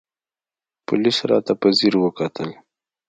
پوليس راته په ځير وکتل.